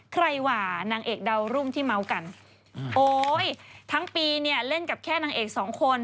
หว่านางเอกดาวรุ่งที่เมาส์กันโอ๊ยทั้งปีเนี่ยเล่นกับแค่นางเอกสองคน